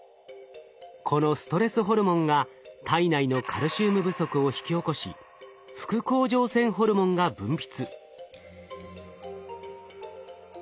このストレスホルモンが体内のカルシウム不足を引き起こし副甲状腺ホルモンが分泌。